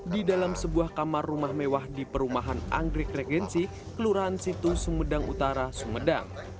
di dalam sebuah kamar rumah mewah di perumahan anggrek regensi kelurahan situ sumedang utara sumedang